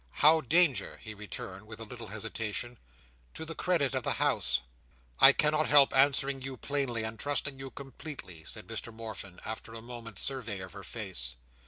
"How danger?" he returned, with a little hesitation. "To the credit of the House?" "I cannot help answering you plainly, and trusting you completely," said Mr Morfin, after a moment's survey of her face.